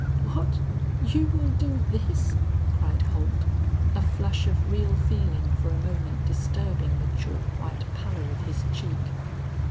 "What, you will do this!" cried Holt, a flush of real feeling for a moment disturbing the chalk white pallor of his cheek.